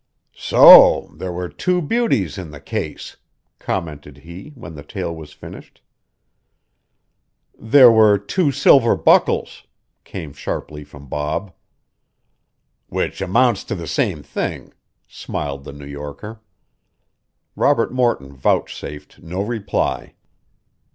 "So there were two beauties in the case!" commented he, when the tale was finished. "There were two silver buckles," came sharply from Bob. "Which amounts to the same thing," smiled the New Yorker. Robert Morton vouchsafed no reply.